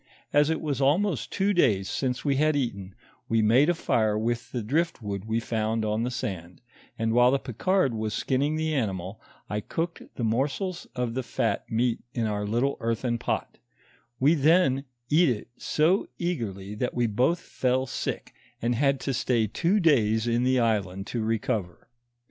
As it was almost two days since we had eaten, we made a fire with the drift wood we found on the sand ; and while the Picard was skinning the animal, I cooked the morsels of the fat meat in our little earthern pot ; we then eat it so eagerly that we both fell sick, and had to stay two days in the island to recover.